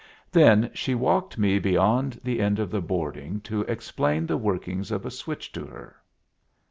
Then she walked me beyond the end of the boarding to explain the workings of a switch to her.